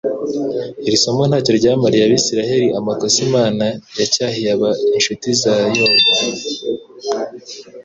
Iri somo ntacyo ryamariye Abisiraeli. Amakosa Imana yacyahiraga inshuti za Yobu,